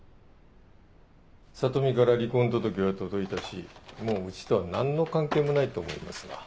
里美から離婚届は届いたしもううちとは何の関係もないと思いますが。